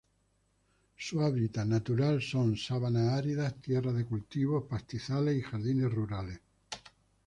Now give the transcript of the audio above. Su hábitat natural son: sabanas áridas, tierras de cultivo, pastizales y jardines rurales.